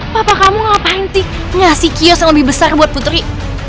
papa kamu gak pantik ngasih kios yang lebih besar buat putri